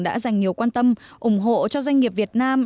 đã dành nhiều quan tâm ủng hộ cho doanh nghiệp việt nam